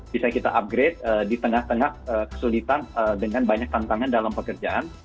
bisa kita upgrade di tengah tengah kesulitan dengan banyak tantangan dalam pekerjaan